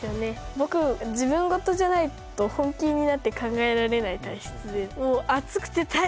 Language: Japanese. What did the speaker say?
僕自分事じゃないと本気になって考えられない体質で。